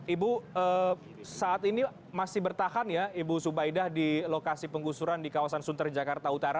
ibu saat ini masih bertahan ya ibu subaidah di lokasi penggusuran di kawasan sunter jakarta utara